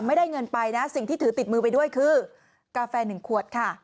ไม่ได้เงินไปนะสิ่งที่ถือติดมือไปด้วยคือกาแฟ๑ขวดค่ะ